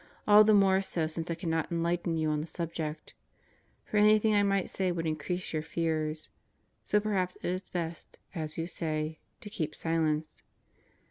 All the more so since I cannot enlighten you on the subject. For anything I might say would increase your fears. So perhaps it is best, as you say, to keep silence.